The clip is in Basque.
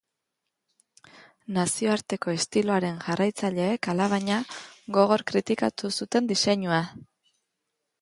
Nazioarteko estiloaren jarraitzaileek, alabaina, gogor kritikatu zuten diseinua.